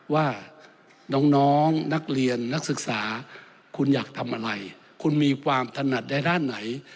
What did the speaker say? ว่าน้องนักเรียนนักศึกษาคุณอยากทำอะไรคุณมีความถนัดในด้านไหน